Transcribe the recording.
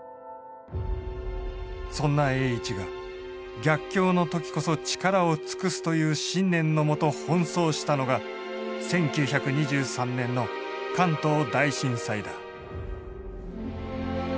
そんな栄一が「逆境の時こそ力を尽くす」という信念のもと奔走したのが１９２３年の関東大震災だ。